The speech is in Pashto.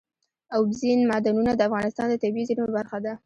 اوبزین معدنونه د افغانستان د طبیعي زیرمو برخه ده.